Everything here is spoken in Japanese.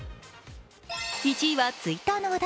１位はＴｗｉｔｔｅｒの話題。